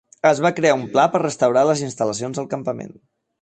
Es va crear un pla per restaurar les instal·lacions al campament.